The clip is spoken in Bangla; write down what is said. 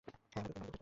হ্যাঁ, আমি দুঃখিত।